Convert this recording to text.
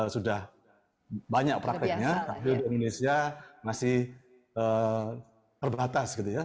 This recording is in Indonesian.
sudah banyak prakteknya tapi di indonesia masih terbatas gitu ya